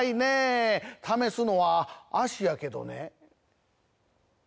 試すのは「脚」やけどね